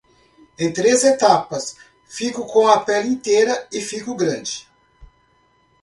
Em três etapas, fico com a pele inteira e fico grande.